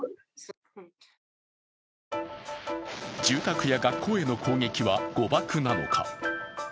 住宅や学校への攻撃は誤爆なのか。